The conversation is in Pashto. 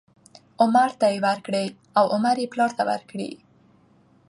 عمر ته یې ورکړې او عمر یې پلار ته ورکړې،